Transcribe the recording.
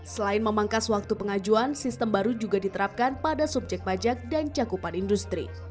selain memangkas waktu pengajuan sistem baru juga diterapkan pada subjek tersebut